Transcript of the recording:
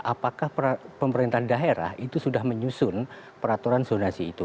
apakah pemerintah daerah itu sudah menyusun peraturan zonasi itu